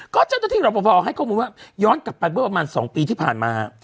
ก็เจ้าหน้าที่รับประพอให้ข้อมูลว่าย้อนกลับไปเมื่อประมาณ๒ปีที่ผ่านมา